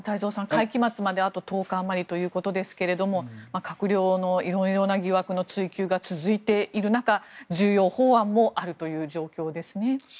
会期末まであと１０日あまりということですが閣僚の色々な疑惑の追及が続いている中重要法案もあるという状況ですね。